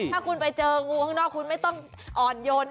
ถ้าคุณไปเจองูข้างนอกคุณไม่ต้องอ่อนโยน